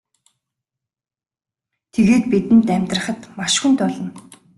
Тэгээд бидэнд амьдрахад маш хүнд болно.